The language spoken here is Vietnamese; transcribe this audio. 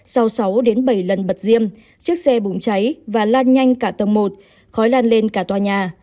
sau sáu đến bảy lần bật diêm chiếc xe bụng cháy và lan nhanh cả tầng một khói lan lên cả tòa nhà